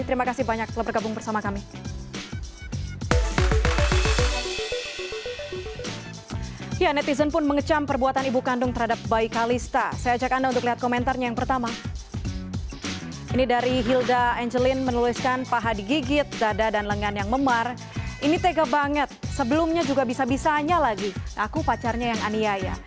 terima kasih banyak telah bergabung bersama kami